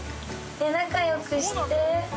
仲良くして。